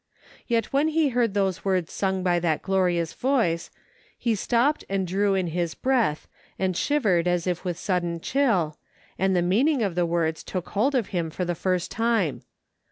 Yet when he heard those words sung by the glorious voice, he stopped and drew in his breath, and shivered as if with sudden chill, and the meaning of the words took hold of him for the first time.